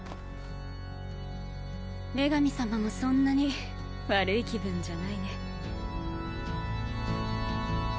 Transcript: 女神様もそんなに悪い気分じゃないね。